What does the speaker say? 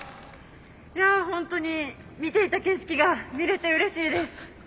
いやホントに見ていた景色が見れてうれしいです。